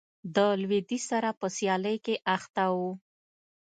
د لوېدیځ سره په سیالۍ کې اخته و.